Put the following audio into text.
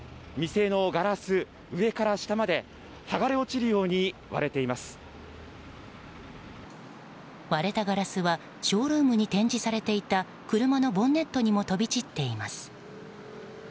店のガラス、上から下まで剥がれ落ちるように割れたガラスはショールームに展示されていた車のボンネットにも飛び散っています。